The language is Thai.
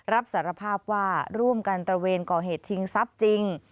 รับสารภาพว่าร่วมกันตระเวนก่อเหตุชิงทรัพย์จริง